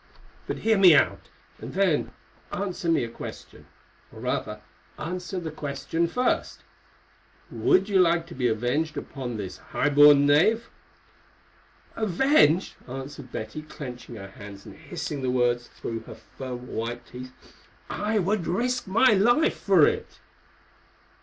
But hear me out, and then answer me a question, or rather, answer the question first. Would you like to be avenged upon this high born knave?" "Avenged?" answered Betty, clenching her hands and hissing the words through her firm, white teeth. "I would risk my life for it."